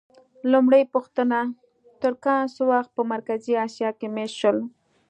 لومړۍ پوښتنه: ترکان څه وخت په مرکزي اسیا کې مېشت شول؟